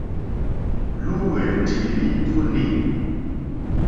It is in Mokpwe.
Lúwɛ̀ndì lítúnì.